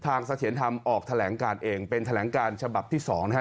เสถียรธรรมออกแถลงการเองเป็นแถลงการฉบับที่สองนะฮะ